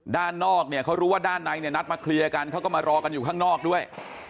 ด้านนอกเนี่ยเขารู้ว่าด้านในเนี่ยนัดมาเคลียร์กันเขาก็มารอกันอยู่ข้างนอกด้วย